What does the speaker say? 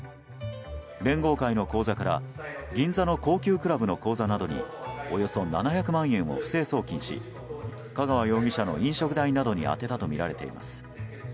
連合会の口座から銀座の高級クラブの口座などにおよそ７００万円を不正送金し香川容疑者の飲食代などに充てたとみられています。